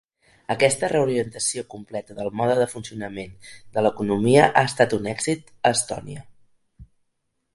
Aquesta reorientació completa del mode de funcionament de l'economia ha estat un èxit a Estònia.